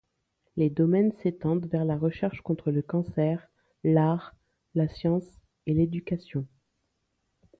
Les domaines s'étendent vers la recherche contre le cancer, l'art, la science et l'éducation.